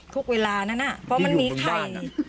เวลานั้นเพราะมันมีไข่